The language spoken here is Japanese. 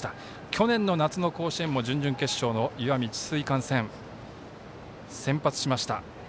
去年の夏の甲子園も準々決勝の石見智翠館戦に先発しました